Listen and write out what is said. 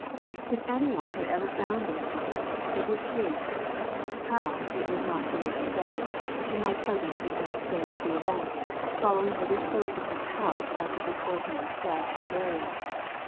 If any one had ever found these bonds, it was she; how, it was not for me to say, in my present ignorant state of the events following the reclosing of the house after this old man's death and burial.